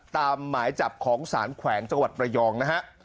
หมายจับของสารแขวงจังหวัดระยองนะฮะ